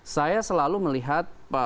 saya selalu melihat